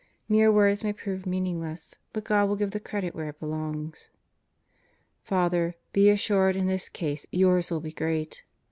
Mere words may prove mean ingless, but God will give the credit where it belongs. Fr., be assured in this case yours will be great.